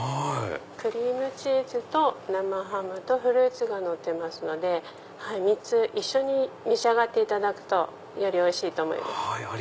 クリームチーズと生ハムとフルーツがのってますので３つ一緒に召し上がるとよりおいしいと思います。